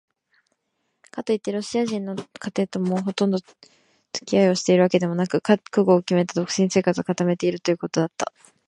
かといってロシア人の家庭ともほとんどつき合いをしているわけでもなく、覚悟をきめた独身生活を固めているということだった。